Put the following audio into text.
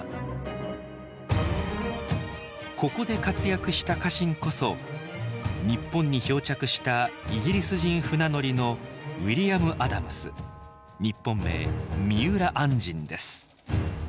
ここで活躍した家臣こそ日本に漂着したイギリス人船乗りの日本名三浦按針です。